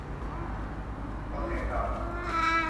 กฎแห่งกรรม